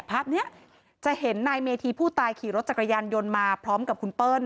ภาพนี้จะเห็นนายเมธีผู้ตายขี่รถจักรยานยนต์มาพร้อมกับคุณเปิ้ล